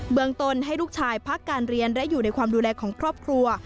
ตนให้ลูกชายพักการเรียนและอยู่ในความดูแลของครอบครัว